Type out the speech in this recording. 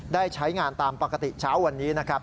ได้ใช้งานตามปกติเช้าวันนี้นะครับ